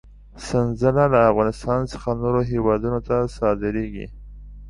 سنځله له افغانستان څخه نورو هېوادونو ته صادرېږي.